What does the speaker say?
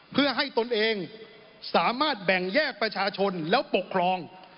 เพื่อให้ตนเองสามารถแบ่งแยกประชาชนแล้วปกครอง